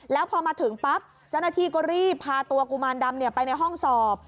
แล้วพอมาถึงปั๊บเจ้าหน้าที่ก็รีบพาตัวกุมารดำไปในห้องสอบ